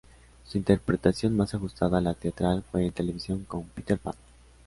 Su interpretación más ajustada a la teatral fue en televisión, con "Peter Pan".